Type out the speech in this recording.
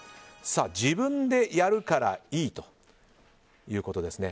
自分でやるからいいということです。